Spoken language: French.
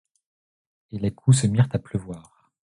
Et les coups se mirent à pleuvoir.